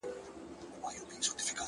o اوس په فلسفه باندي پوهېږمه؛